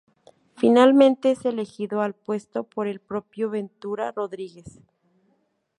Finalmente es elegido al puesto por el propio Ventura Rodriguez.